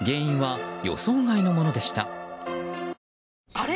あれ？